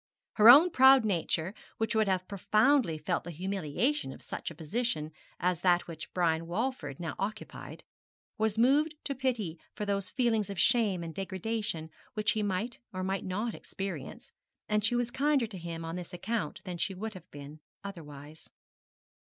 Her own proud nature, which would have profoundly felt the humiliation of such a position as that which Brian Walford now occupied, was moved to pity for those feelings of shame and degradation which he might or might not experience, and she was kinder to him on this account than she would have been otherwise.